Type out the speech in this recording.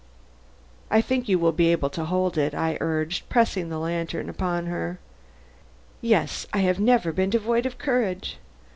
"I think you will be able to hold it," I urged, pressing the lantern upon her. "Yes; I have never been devoid of courage.